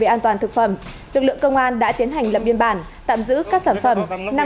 an toàn thực phẩm lực lượng công an đã tiến hành lập biên bản tạm giữ các sản phẩm